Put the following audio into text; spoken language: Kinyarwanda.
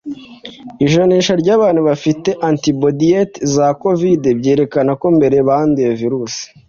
ijanisha ry’abantu bari bafite antibodiyite za covid, byerekana ko mbere banduye virusi.